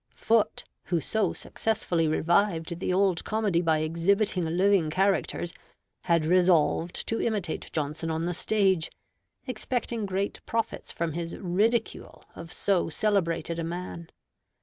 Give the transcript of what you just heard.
Foote, who so successfully revived the old comedy by exhibiting living characters, had resolved to imitate Johnson on the stage, expecting great profits from his ridicule of so celebrated a man.